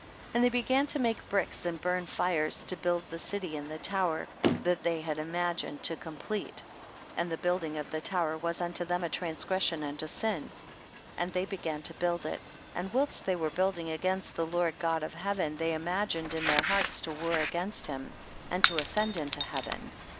24. And they began to make bricks and burn hrcs to build the city and the tower that they had imagined to complele. 25. And the building of the tower was unto them a transgression and a sin, and they began to build it, and whilst they were building against the Lord God of heaven, they imagin ed in their hearts to war against him and to ascend into heaven.